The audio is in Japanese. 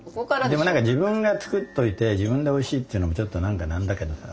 でも何か自分が作っといて自分でおいしいって言うのもちょっと何かなんだけどさ。